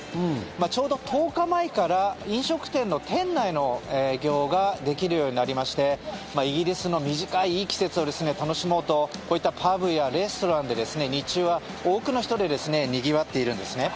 ちょうど１０日前から飲食店の店内の営業ができるようになりましてイギリスの短いいい季節を楽しもうとこういったパブやレストランで日中は多くの人でにぎわっているんですね。